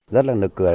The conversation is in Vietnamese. rất là nực cười